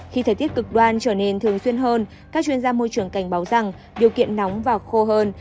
khi thời tiết cực đoan trở nên thường xuyên hơn các chuyên gia môi trường cảnh báo rằng điều kiện nóng và khô hơn